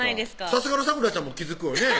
さすがの咲楽ちゃんも気付くよね